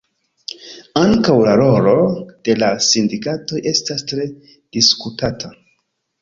Ankaŭ la rolo de la sindikatoj estas tre diskutata.